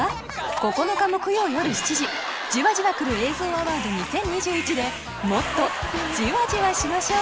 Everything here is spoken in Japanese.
９日木曜夜７時『じわじわくる映像アワード２０２１』でもっとじわじわしましょう！